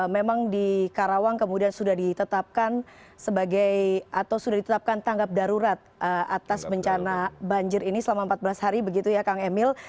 memang di karawang kemudian sudah ditetapkan sebagai atau sudah ditetapkan tanggap darurat atas bencana banjir ini selama empat belas hari begitu ya kang emil